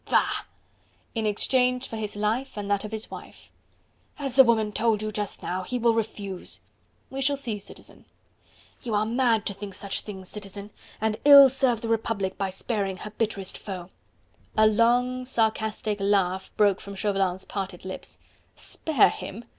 "Bah!" "In exchange for his life and that of his wife." "As the woman told you just now... he will refuse." "We shall see, Citizen." "You are mad to think such things, Citizen, and ill serve the Republic by sparing her bitterest foe." A long, sarcastic laugh broke from Chauvelin's parted lips. "Spare him?